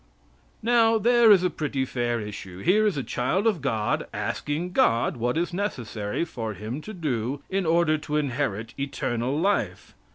'" Now, there is a pretty fair issue. Here is a child of God asking God what is necessary for him to do in order to inherit eternal life.